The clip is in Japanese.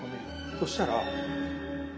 そしたら。